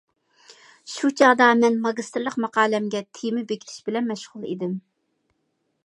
شۇ چاغدا مەن ماگىستىرلىق ماقالەمگە تېما بېكىتىش بىلەن مەشغۇل ئىدىم.